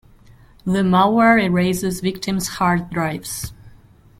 The malware erases victims' hard drives.